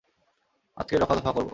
আজকেই রফাদফা করবো।